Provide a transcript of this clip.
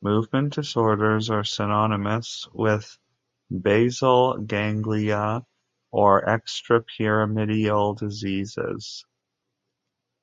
Movement disorders are synonymous with basal ganglia or extrapyramidal diseases.